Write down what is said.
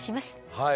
はい。